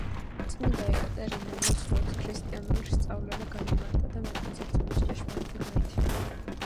წმინდა ეკატერინემ მოსულებს ქრისტიანული სწავლება განუმარტა და მათაც ირწმუნეს ჭეშმარიტი ღმერთი.